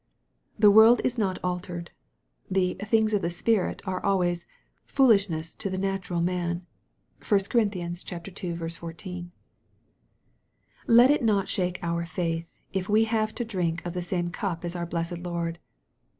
The world is not altered. The " things of the Spirit" are always "fool ishness to the natural man." (1 Cor. ii. 14.) Let it not shake our faith, if we have to drink of the same cup as our blessed Lord.